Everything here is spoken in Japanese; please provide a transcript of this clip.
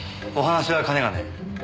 お話はかねがね。